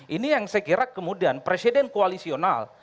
ini yang saya kira kemudian presiden koalisional